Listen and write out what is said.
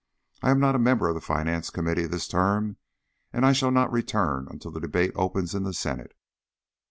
I am not a member of the Finance Committee this term, and I shall not return until the debate opens in the Senate.